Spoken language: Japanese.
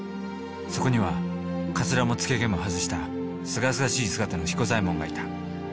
そこにはかつらも付け毛も外したすがすがしい姿の彦左衛門がいた。